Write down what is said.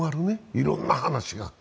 いろんな話が。